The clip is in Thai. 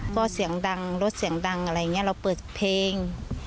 ก็เสียงดังรถเสียงดังอะไรอย่างนี้เราเปิดเพลง